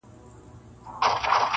صرف و نحو دي ویلي که نه دي-